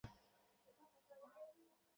অচেতন হয়ে গিয়েছিলাম হয়তো!